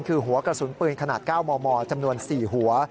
คือหัวกระสุนปืนขนาด๙มมจำนวน๔หัว